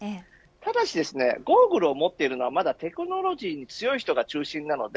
ただしゴーグルを持っているのはテクノロジーに強い人が中心です。